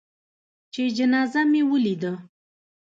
چې جنازه مې لېده.